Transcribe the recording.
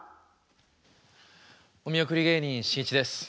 お見送り芸人しんいちです。